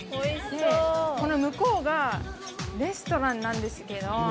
この向こうがレストランなんですけど。